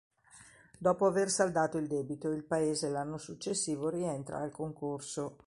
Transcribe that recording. Dopo aver saldato il debito, il paese l'anno successivo rientra al concorso.